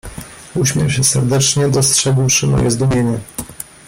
"Uśmiał się serdecznie, dostrzegłszy moje zdumienie."